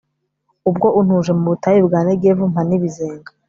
ubwo untuje mu butayu bwa negevu, mpa n'ibizenga